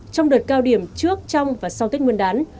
trong đợt cao điểm trước trong và sau tết nguyên đán